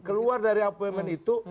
keluar dari appointment itu